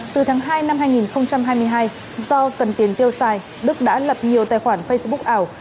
từ tháng hai năm hai nghìn hai mươi hai do cần tiền tiêu xài đức đã lập nhiều tài khoản facebook ảo